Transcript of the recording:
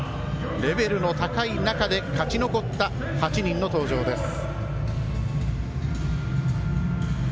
レベルの高い中で勝ち残った８人の登場です。